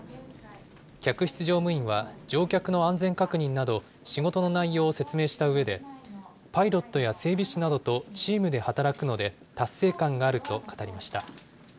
客室乗務員は、乗客の安全確認など、仕事の内容を説明したうえで、パイロットや整備士などとチームで働くので達成感があると語りました。